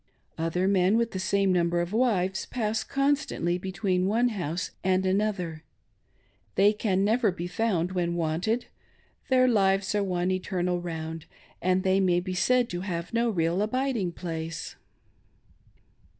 Other men with the same number of wives pass constantly between one house and another ; they can never be found when wanted ; their lives are one eternal round, and they may be said to have no real abiding place.